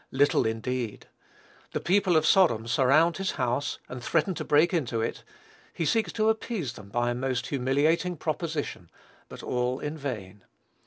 Little indeed. The people of Sodom surround his house, and threaten to break into it; he seeks to appease them by a most humiliating proposition, but all in vain.